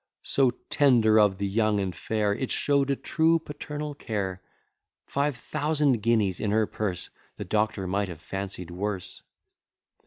So tender of the young and fair! It show'd a true paternal care Five thousand guineas in her purse! The doctor might have fancied worse.